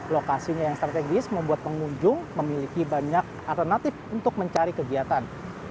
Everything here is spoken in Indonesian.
lokasinya yang strategis membuat pengunjung memiliki banyak alternatif untuk mencari kegiatan